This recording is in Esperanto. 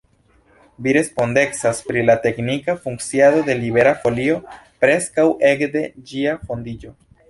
Vi respondecas pri la teknika funkciado de Libera Folio preskaŭ ekde ĝia fondiĝo.